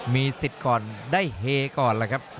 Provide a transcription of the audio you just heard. มีศิษย์ก่อนได้เหก่อนละครับ